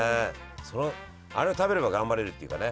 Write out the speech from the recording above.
あれを食べれば頑張れるっていうかね。